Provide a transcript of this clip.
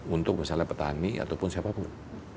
untuk misalnya petani ataupun siapapun